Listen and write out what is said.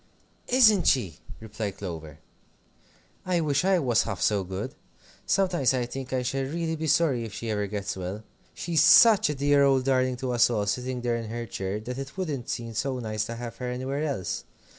"Isn't she!" replied Clover. "I wish I was half so good. Sometimes I think I shall really be sorry if she ever gets well. She's such a dear old darling to us all, sitting there in her chair, that it wouldn't seem so nice to have her anywhere else.